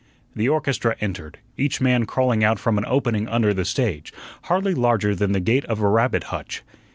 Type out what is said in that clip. The orchestra entered, each man crawling out from an opening under the stage, hardly larger than the gate of a rabbit hutch.